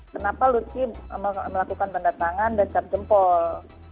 kenapa lutfi melakukan pendatangan dan cap jempol